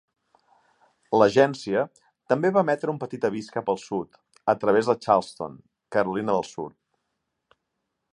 L'agència també va emetre un petit avís cap al sud a través de Charleston, Carolina del Sud.